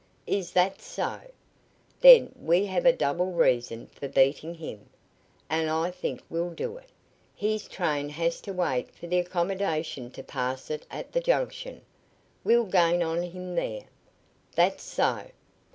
"Is that so? Then we have a double reason for beating him. And I think we'll do it. His train has to wait for the accommodation to pass it at the junction. We'll gain on him there." "That's so."